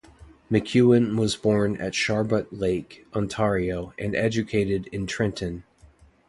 McEwen was born at Sharbot Lake, Ontario, and educated in Trenton.